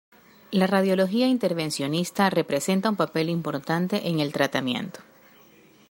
La radiología intervencionista representa un papel importante en el tratamiento.